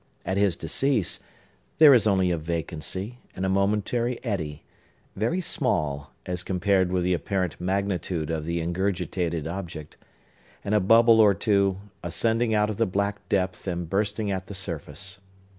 At his decease, there is only a vacancy, and a momentary eddy,—very small, as compared with the apparent magnitude of the ingurgitated object,—and a bubble or two, ascending out of the black depth and bursting at the surface.